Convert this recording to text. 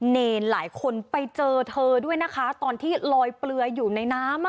เนรหลายคนไปเจอเธอด้วยนะคะตอนที่ลอยเปลืออยู่ในน้ำ